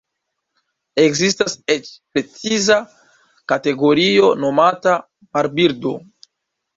Ekzistas eĉ preciza kategorio nomata Marbirdo.